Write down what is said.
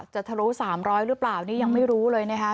ทะลุ๓๐๐หรือเปล่านี่ยังไม่รู้เลยนะคะ